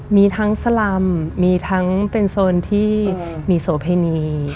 มีทั้งสลำมีทั้งเป็นโซนที่มีโสเพณี